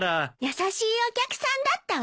優しいお客さんだったわ。